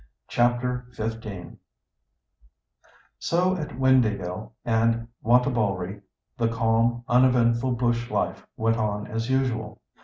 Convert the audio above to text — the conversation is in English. CHAPTER XV So at Windāhgil and Wantabalree the calm, uneventful bush life went on as usual.